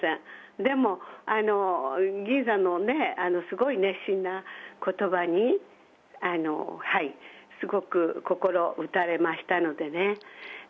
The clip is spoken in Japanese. でも、吟さんのすごい熱心なことばに、すごく心打たれましたのでね。